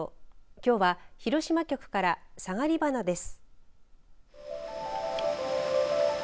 きょうは広島局からサガリバナです。